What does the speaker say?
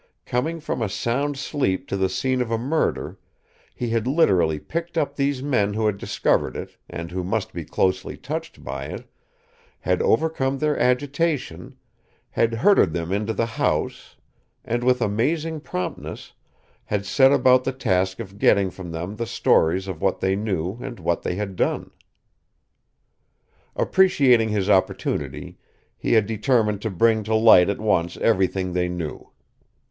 Coming from a sound sleep to the scene of a murder, he had literally picked up these men who had discovered it and who must be closely touched by it, had overcome their agitation, had herded them into the house and, with amazing promptness, had set about the task of getting from them the stories of what they knew and what they had done. Appreciating his opportunity, he had determined to bring to light at once everything they knew.